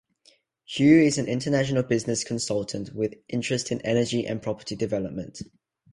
Hugh is an international business consultant with interest in energy and property development.